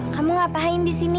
kamu ngapain di sini